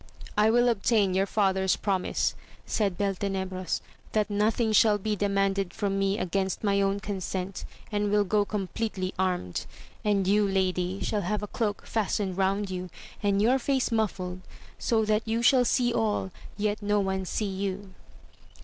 I will obtain your father's promise, said Beltenebros, that nothing shall be demanded from me against my own consent, and will go com pletely armed; and you, lady, shall have a cloak fastened round you, and your face muffled, so that you shall see all, yet no one see you.